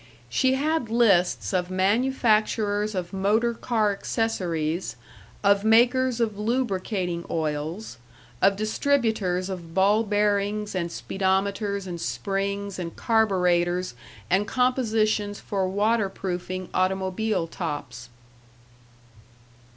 She had lists of manufacturers of motor car accessories, of makers of lubricating oils, of distributors of ball bearings and speedometers and springs and carburetors and compositions for water proofing automobile tops.